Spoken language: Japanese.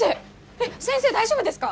えっ先生大丈夫ですか？